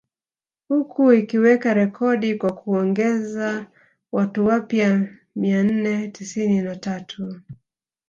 Huku ikiweka rekodi kwa kuongeza watu wapya mia nne tisini na tatu